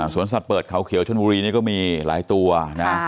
สวนสัตว์เปิดเขาเขียวชนบุรีนี่ก็มีหลายตัวนะ